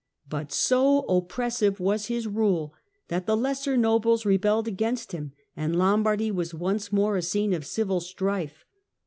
But so oppressive was his rule that the lesser nobles rebelled against him, and Lombardy was j^^^ii^^ Ex once more a scene of civil strife.